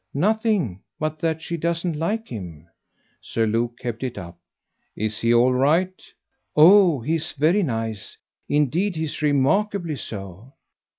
"Nothing but that she doesn't like him." Sir Luke kept it up. "Is he all right?" "Oh he's very nice. Indeed he's remarkably so."